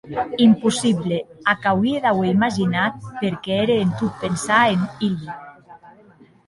Impossible, ac auie d'auer imaginat perque ère en tot pensar en Hilde.